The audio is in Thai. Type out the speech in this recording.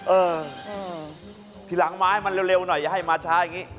เออทีหลังไม้มันเร็วหน่อยอย่าให้มาช้าอย่างนี้